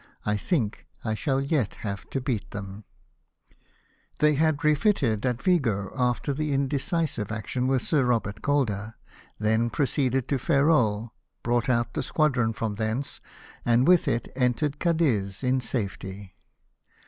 I think I shall yet have to^ beat them !" They had refitted at Vigo after the indecisive action with Sir Robert Calder ; then proceeded to Ferrol, brought out the squadron from thence, and with it entered Cadiz in safety.